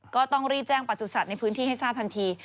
ก็ต้องรีบแจ้งประจุสัตว์ในพื้นที่ให้ทราบทันที